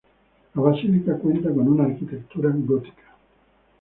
La basílica cuenta con una arquitectura gótica.